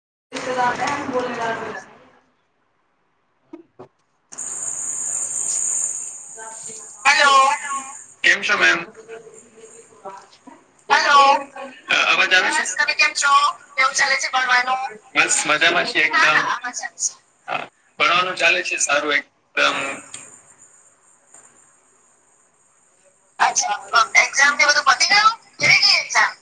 [unintelligible] [inaudible] Hello, કેમ છો ma'am? Hello. અવાજ આવે છે. તમે કેમ છો. કેવું ચાલે છે ભણવાનું બસ મજામાં છે. એક હા હા. ભણવાનું ચાલે છે સારું એકદમ. [inaudible] અચ્છા, એક્ઝામને બધું પતી ગયું કેવી ગેય એક્ઝામ.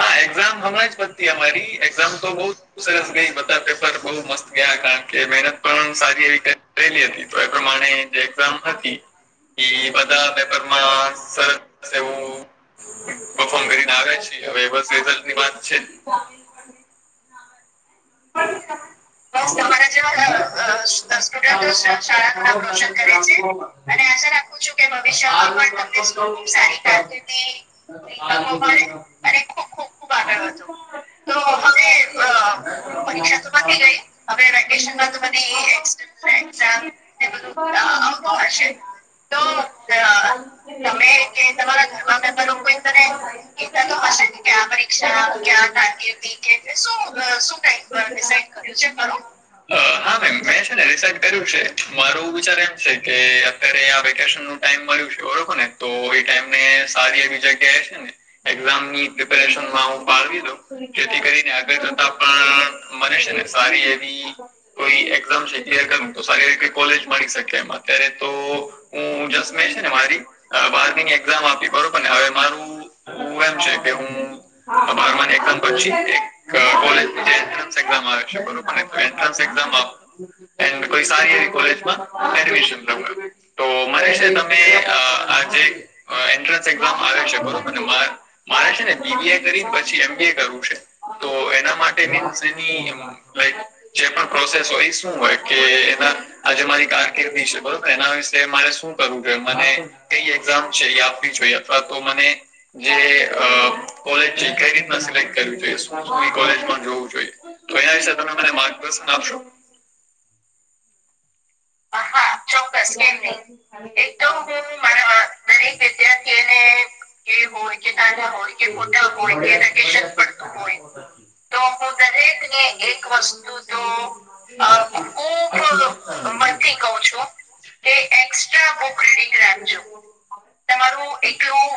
હા, એક્ઝામ હમણાં જ પતી અમારી એક્ઝામ તો બોજ સરસ ગઈ બતા પેપર બહુ મસ્ત ગયા. કારણ કે, મહેનત પણ સારી એવી કરેલી હતી તો એ પ્રમાણે જે એક્ઝામ હતી. એ બધા પેપરમાં સરસશે એવું. પફોમ કરીને આવ્યા છે હવે બસ રિઝલ્ટની વાત છે. [unintelligible] [unintelligible] [unintelligible] ભવિષ્યમાં પણ તમને જે [unintelligible] ખૂબ ખૂબ આગળ વધે. તો હવે અ. પતી ગઈ હવે વેકેશની એમાં બધું હશે. તો અ. તમે કે તમારા [unintelligible] લોકો તને કેતા તો હશે કે આ પરીક્ષા ક્યાં [unintelligible] હા, મેમ મેં છેને રિસર્ચ કર્યું છે મારું વિચાર એમ છેકે અત્યારે આ વેકેશન ટાઈમ મળ્યું બરોબરને તો એ ટાઈમને સારી એવી જગ્યાએ એક્ઝામની પ્રિપેરેશનમાં હું પાડવી દઉ જેથી કરીને આગળ જતા પણ મને છેને સારી એવી કોઈ એક્ઝામ ક્લિયર કર સારી એવી કોલેજ મળી શકે એ અત્યારે તો હું જસ મે છેને મારી બારમીની એક્ઝામ આપી બરોબરને હવે મારું હું એમ છેકે હું બારની એક્ઝામ પછી કોલેજ [unintelligible] એ કોઈ સારી એ કોલેજમાં એડમિશન તો મને છેને તમે અ એન્ટ્રન્સ એક્ઝામ આવે છે બાર મારે છેને બીબીએ કરી પછી એમબીએ કર તો એના મા [unintelligible] યજે માટ બરોબર એના વિશે મારે શું કરવું? જો મને એમ છે એ આપવી જોઈએ અથવા તો મને જે કોલેજ છે કઈ રીત [unintelligible] બોવ કરી જોઈ તો એના વિશે તમે મને માર્ગદર્શન આપશો? હા, ચોક્કસ એક તો [unintelligible] દરેક વિદ્યાર્થીઓને એ હોય કે તાના હોય કે પોતા હોય કે એના કે પડતું હોય. તો [unintelligible] દરેકને એક વસ્તુ તો [unintelligible] મથી કઉ છું. એક્સ્ટ્રા બુક રીડિંગ રાખાજો. તમારું એકલું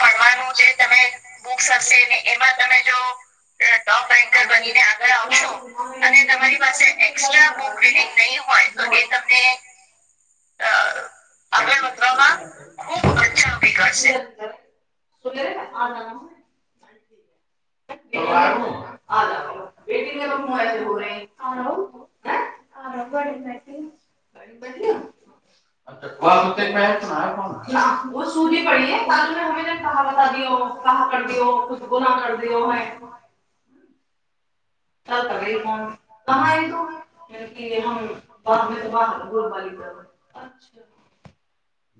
ભણવાનું જે તમે બુક્સ હશે ને એમાં તમે જો [unintelligible] બનીને આગળ આવશો અને તમારી પાસે એકસ્ટ્રા બુક રીડંગ નહી હોય તો એ તમને આગળ વધવામાં ખુબ [unintelligible] [unintelligible] [unintelligible] [unintelligible] [unintelligible] [unintelligible] ચ [unintelligible] કોણ ક આવી તુ? [unintelligible]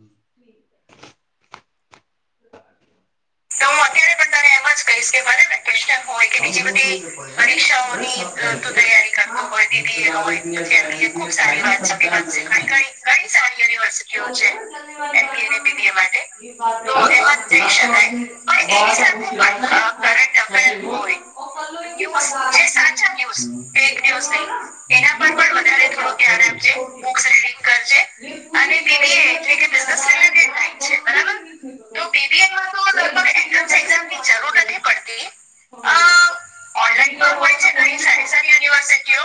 તો હું અત્યારે પણ તને એમ જ કહીશ કે ભલે વેકેશન હોય કે બીજી બધી પરીક્ષાઓની તું તૈયારી કર [unintelligible] હોય અત્યારી ખુબ સારી વાત વાત ઘણી ઘણી સારી યુનિવર્સિટી જેમ એમ બી એ બી માટે તો એ વાત જઈ શકાય, પણ એની સાથે કરંટ અફેર હોય, જે સાચા ન્યઝ ફેક ન્યૂઝ એના પર પણ વધારે થોડું ધ્યાન આપ જે બુક રીડિંગ કર જે અને બીબીએ બિઝિનેસ્સ રિલેટેડ ટાઈમે છે બરાબર તો બીબીએનમાં તો લગભગ એન્ટર્સ એક્ષામ ની જરૂર નથી પડતી, ઓનલાઈન પણ હોય છે ઘણી સારી સારી યુનિવર્સિટીઓ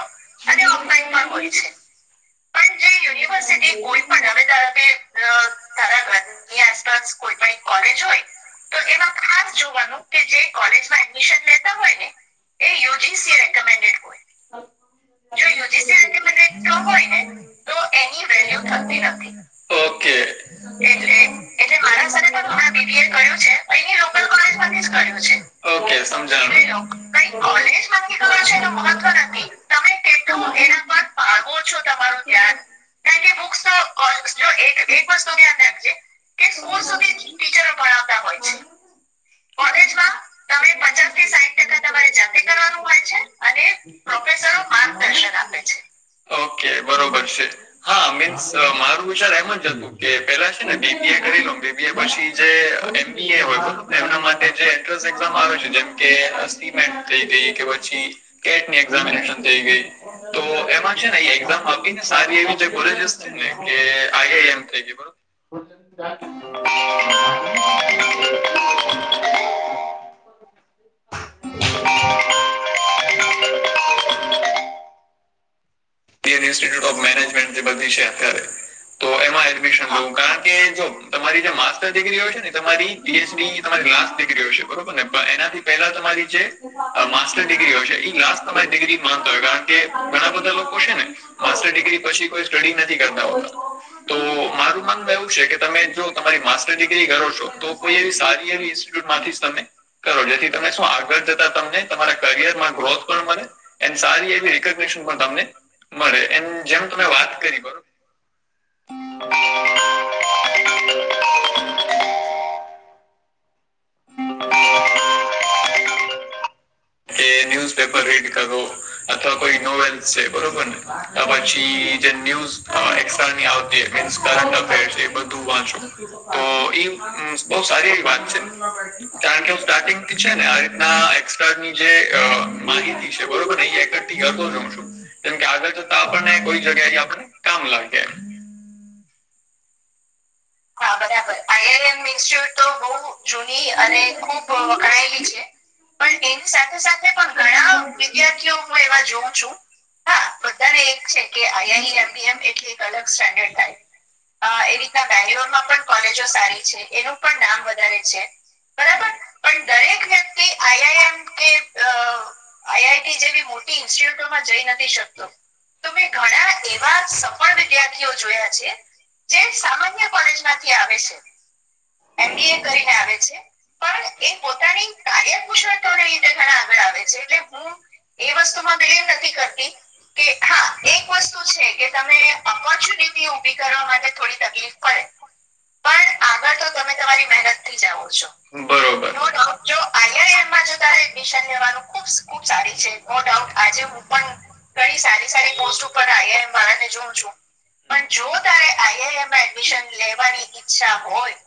અને ઓફલાઈન પણ હોય છે પણ જે યુનિવર્સિટી કોઈ પણ હવે ધાર કે ધારા ઘરની આસપાસ કોઈ પણ એક કોલેજ હોય, તો એમાં ખાસ જોવાનું કે જે કોલેજમાં એડમિશન લેતા હોય ને એ યુજીસી રેકેમેન્ડેડ કોય, જો યુજીસી રિકમેન્ડેડ ના હોય ને તો એની વેલ્યુ થતી નથી, [inaudible] [inaudible] એટલે મારા સાથે પણ હમણાં બીબી કર્યું છે, અહીંના લોકોલ કૉલેજ કર્યું છે. ઓકે સમજાણું [inaudible] એ મહત્વ નથી તમે કેટલું એના પર પાળવો છો તમારું ધ્યાન કઈ કઈ બુક્સ તો જો એક એક વસ્તુ ધ્યાન રાખજે, કે સ્કૂલ સુધી ટીચરો ગાવતા હોય છે, કોલેજમાં તમે પચાસથી સાઠ ટકા તમારે જાતે કરવાનું હોય છે અને પ્રોફેસરો માર્ગદર્શન આપે છે. ઓકે બરોબર છે, હા મીન્સ મારું વિચાર એમ જ હતું કે પેલા છે ને બીબી કરીલો બીબે પછી જે એમના માટે છે, ઇન્સર્સ્ટ એક્ષામ આવે છે, જેમ [unintelligible] ગઈ કે પછી એઝામિનેશન થઈ ગઈ તો એમાં છે, ને એક્ઝામ આપી સારી એવી કોલેજસ એટલે I I M [unintelligible] [unintelligible] ઇયન institute of management બધી છે અત્યારે. તો એમાં એડમિશન લેવું કારણ કે જો તમારી જે માસ્ટરડિગ્રી હોય છે ને તમારી બી એસ ડી તમારી લાસ્ટ ડિગ્રી હઈશે બરોબર ને? એનાથી પહેલાં તમારી જે માસ્ટર ડિગ્રી હશે એ લાસ્ટ તમારી ડિગ ડિગ્રી મળતા કારણ કે ઘણાં બધા લોકો છેને માસ્ટરડિગ્રી પછી કોઈ સ્ટડી નથી કરતાં હોતા તો મારું માનવું એવું છે કે તમે તમે જો તમારી માસ્ટર ડિગ્રી કરો છો તો કોઈ એવી સારી એવી ઇન્ટ્યુટમાંથી જ તમે કરો જેથી તમે શું આગળ જતાં તમને તમારા કરિયરમાં ગ્રોથ પણ મળે એન્ડ એવી સારી એવી રિકડમેશ તમને મળે એ જેમ તમે વાત કરી બરોબર. [unintelligible] [unintelligible] કે ન્યુઝપેપર રીડ કરો અથવા કોઈ નોવેલ્સ છે બરોબર ને તો પછી જે ન્યૂઝ એક્સ્ટ્રાની આવતી હોય મીન્સ કરંટ અફેર છે તો એ બધું વાંચો તો ઈ બહુ સારી એવી વાત છે કારણ કે હું સ્ટાર્ટિંગથી છે ને આ રીતના એક્સ્ટ્રા જે અ માહિતી છે બરોબરને એ એકઠી કરતો જ હોઉં છું કેમ કે આગળ જતાં આપણને કોઈ જગ્યા આપણે કામ લાગે એમ હા બરાબર આઈ આઈ એમ ઇન્સ્ટિટુટ તો બહુ જૂની અને ખુબ વખણાયેલી છે. પણ એની સાથે-સાથે પણ ઘણાં વિદ્યાર્થીઓ હું એવા જોઉં છું. હા બધાને એજ છે કે અહીંયાની એમ કેટલીક અલગ સ્ટેન્ડર્ડ હોય. હા એવી રીતના પેન પણ કોલેજો સારી છે એનું પણ નામ વધારે છે. બરાબર પણ દરેક વ્યક્તિ આઈ આઈ એમ કે આઈ આઈ ટી જેવી મોટી ઇન્સ્ટિટ્યુટમાં જઈ નથી શકતો. તો મેં ઘણા એવા સફળ વિદ્યાર્થીઓ જોયા છે જે સામાન્ય કોલેજમાંથી આવે છે એમ બી એ કરીને આવે છે. પણ એ પોતાની કાર્યકુશળતાને લીધે ઘણાં આગળ આવે છે એટલે હું એ વસ્તુમાં માં બિલીવ નથી કરતી કે હા એક વસ્તુ છે કે તમે ઓપોર્ચ્યુનિટી ઊભી કરવા માટે થોડી તકલીફ પણ આ આગળ તો તમે તમારી મહેનત થી જ આવો છો. બરોબર નો ડાઉટ જો આઈ આઈ એમમાં જો તારે એડમિશન લેવાનું ખૂબ-ખુબ સારી છે નો ડાઉટ આજે હું પણ ઘણી સારી સારી પોસ્ટ ઉપર આઈ આઈ એમ વાળાને જોઉ છું પણ જો તારે આઈ આઈ એમ માં એડમિ મિશન લેવાની ઈ ઈચ્છા હોય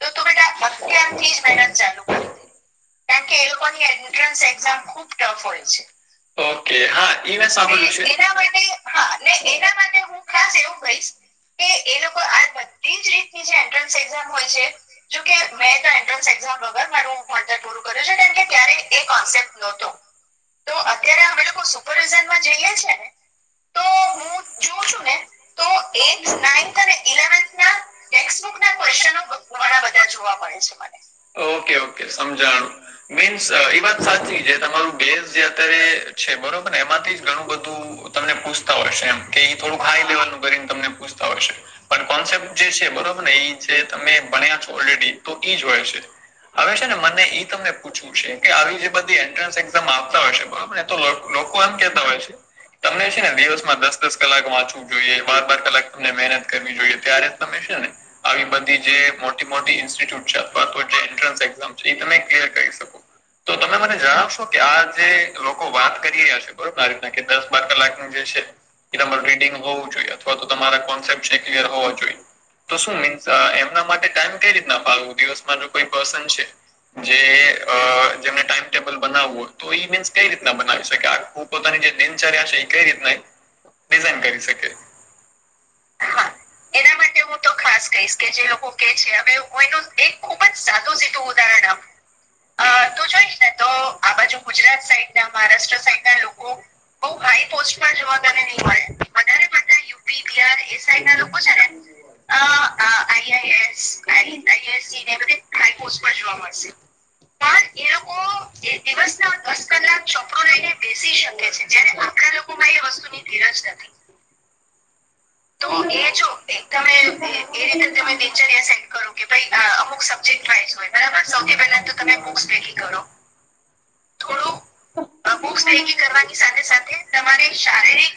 તો તું બેટા અત્યારથી જ મહેનત ચાલુ કરી દે. કારણ કે એ લોકોની એન્ટ્રન્સ એક્ઝામ ખુબ ટફ હોય છે. ઓકે હા ઈ મે સાંભળું છે. એના માટે હા એના માટે હું ખાસ એવું કહીશ કે એ લોકો આ બધી જ રીતે જે એન્ટ્રન્સ એક્ઝામ હોય છે જોકે મેં તો એન્ટ્રન્સ એક્ઝામ વગર મારું ભણતર પૂરું કર્યું છે ને કે ત્યારે એ કોન્સેપ્ટ નહોતો. તો અત્યારે અમે લોકો સુપરવિઝનમાં જઈએ છીએ ને. તો હું જોઉં છું ને તો એઈટ્થ નાઈન્થ અને ઇલેવન્થના ટેક્સબુક ના ક્વેશ્નો ઘણાં બધા જોવા મળે છે મને ઓકે ઓકે સમજાણું. મીન્સ એ વાત સાચી જે તમારું બેઇસ જે અત્યારે છે બરોબર ને એમાંથી જ ઘણું બધું તમને પૂછતાં હોય છે એમ કે ઈ થોડુંક હાઈલેવલનું કરીને તમને પૂછતાં હોય છે પણ કોન્સેપ્ટ જે છે બરોબર ને એ જે તમે ભણ્યા છો ઓલરેડી તો ઈ જ હોય છે. અવે છેને! મને ઈ તમને પૂછવું છે કે આવી જે બધી એન્ટ્રન્સ એક્ઝામ આપતા હોય છે બરોબર ને એ તો લોકો આમ કહેતા હોય છે તમને છે ને દિવસમાં દસ-દસ કલાક વાંચવું જોઈએ. બાર-બાર કલાક તમને મહેનત કરવી જોઈએ ત્યારે તમે છે ને. આવી બધી જે મોટી મોટી ઇન્સ્ટિટ્યૂટ છે અથવા તો જે એન્ટ્રન્સ એક્ઝામ છે એ ત કલયર કરી શકો તો તમે મને જણાવશો કે આ જે લોકો વાત કરી રહ્યા છે બરોબર આ રીતના કે દસ બાર કલાકનીંદશે એ તમાર રીડિંગ હોવું જોઈએ અથવા તો તમારા કોપ ક્લયર હો જોઈએ તો શું મીન્સ એમના માટે ટાઈમ કઈ રીતના પાડવું દિવસમાં ન કોઈ બસશે જેને ટાઈમ ટેબલ બનાવવું તો ઈ મીન્સ કઈ રીતના બનાવી શકે આ પોતાની દિનચાર્યાંશ કઈ રીત ન ડિઝાઇન કરી શકે એ માટે હું તો ખાસ કહીશ કે જે લોકો કે છે હવેનું એક ખુબ જ સાદું સીધું ઉદાહરણ આપું અ તો જોઈશ ને તો આ બાજુ ગુજરાત સાઈડ ના મહારાષ્ટ્ર સાઈડ ના લોકો બઉ કઈ પોસ્ટ પર જોવા તને નહી મળે વધારે પડતા યુપી બિહાર એ સાઈડ ના લોકો છે ને I I S U P S E બધી હાઈ પોસ્ટ પર જોવા મળશે પણ એ લોકો એ દિવસ ના દસ કલાક ચોપડું લઈને બેસી શકે છે જ્યારે આપણા લોકોમાં એ વસ્તુની ધીરજ નથી તો એ જો એક તમે એ રીતે તમે દિનચર્યા કરો કેાઈ અમુક સબ્જેક્ટ વાઝ હોય બરાબર સૌથી પહેલા તો તમે બુક્સેકી કરો થોડું બુક્સ થેગી કરવાની સાથે સાથે તમારે શારીરિક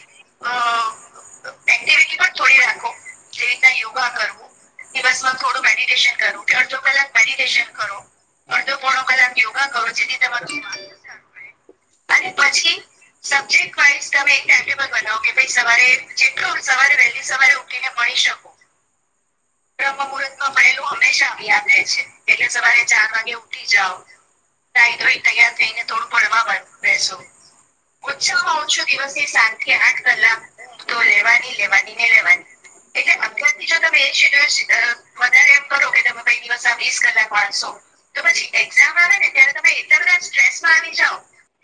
એક્ટિવિટી પણ થોડી રાખો જે રીતના યોગા કરવું દિવસમાં થોડું મેડિટેશન કરવું કે અડધો કલાક મેડિટેશન કરો અડધો પોણો કલાક યોગા કરો જેથી તમારું સારું સ્વાસ્થ્ય સારું રહે અને પછી સબ્જેક્ટ વાઈજ તમે એક ટાઈમ ટેબલ બનાવો કે સવારે જે સરે લી સવારે ઉઠને ભણી શકો બ્રહ્મહૂર્તમાં ભરેલું હંમેશા યાદ રહે છે એટલે સવારે ચાર વાગે ઉઠી જઓ ના એ તો એ તૈયાર થઈ ને થોડું ભણવા બેસો ઓછામાં ઓછું દિવસ સાત થી આઠ કલાક ઉ તો લેવાની લેવાની લેવાની એટલે અત જો તમે એ શડ્યુલ વધારે એમ કરો કે તમે પ દિવસ આ વીસ કલાક વાંચસો તો પછી એક્ઝામ આવે ને ત્યારે તમે એટલા બધા સ્ટ્રેસમાં આવી જાઓ